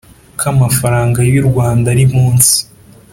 k amafaranga y u Rwanda ari munsi